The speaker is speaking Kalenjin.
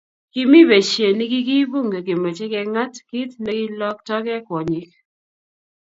kimi besie ne kikiip bunge kemochei keng'at kiit neiloktogei kwonyik